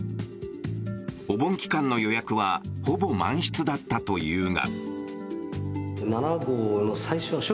お盆期間の予約はほぼ満室だったというが。